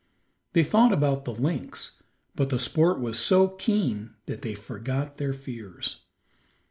They thought about the lynx, but the sport was so keen that they forgot their fears.